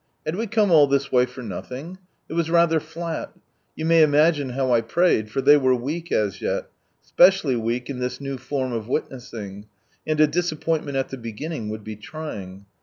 Had we come all this way for nothing? It was rather flat. You may imagine how I prayed, for they were weak as yet, specially weak in this new form of witnessing : and a disappointment at the beginning would be trying.